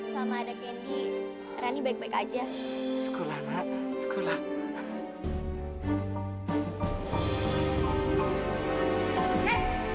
sama ada candy rani baik baik aja sekolah